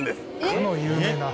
かの有名な。